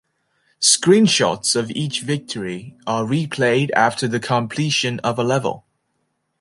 Screenshots of each victory are replayed after the completion of a level.